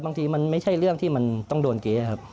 บางทีมันไม่ใช่เรื่องที่มันต้องโดนเก๊ครับ